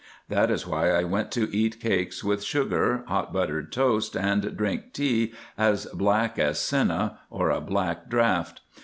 That is why I went to eat cakes with sugar, hot buttered toast, and drink tea as black as senna or a black draught.